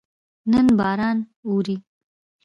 نن باران اوري